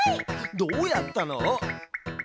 どうやったの？